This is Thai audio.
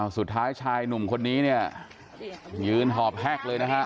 สุดท้ายชายหนุ่มคนนี้เนี่ยยืนหอบแฮกเลยนะฮะ